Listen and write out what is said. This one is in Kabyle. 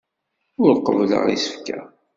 Ur qebbleɣ isefka.